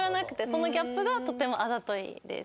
そのギャップがとてもあざといです。